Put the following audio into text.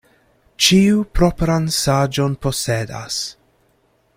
Ĉiu propran saĝon posedas.